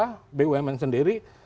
karena bumn sendiri